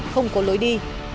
không có lối đi